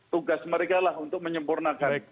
tugas mereka lah untuk menyempurnakan